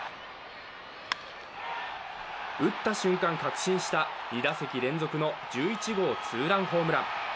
打った瞬間確信した、２打席連続の１１号ツーランホームラン。